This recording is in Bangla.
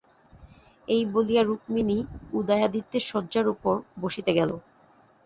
এই বলিয়া রুক্মিণী উদয়াদিত্যের শয্যার উপর বসিতে গেল।